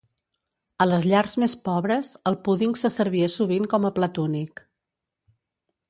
A les llars més pobres, el púding se servia sovint com a plat únic.